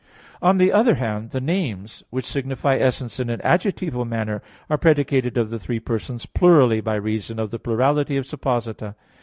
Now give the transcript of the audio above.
On the other hand, the names which signify essence in an adjectival manner are predicated of the three persons plurally, by reason of the plurality of _supposita.